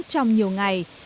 trong nhiều ngày